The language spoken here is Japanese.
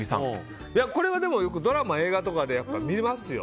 これはやっぱりドラマ、映画とかで見ますよ。